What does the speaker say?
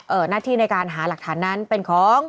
หน้าที่ในการหาหลักฐานนั้นเป็นของ